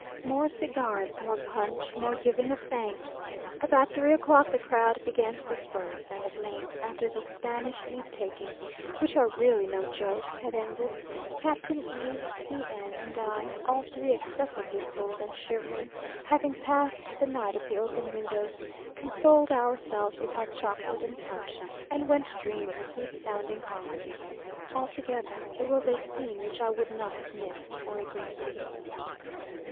More cigars, more punch, more giving of thanks. About three o'clock the crowd began to disperse, and at length, after those Spanish leave takings, which are really no joke, had ended, Captain E , C n, and I, all three excessively cold and shivering, having passed the night at the open windows, consoled ourselves with hot chocolate and punch, and went to dream of sweet sounding harmonies. Altogether, it was a scene which I would not have missed for a great deal.